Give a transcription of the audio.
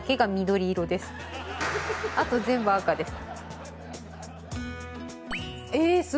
今あと全部赤です。